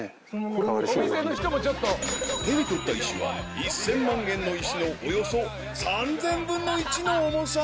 ［手に取った石は１，０００万円の石のおよそ３０００分の１の重さ］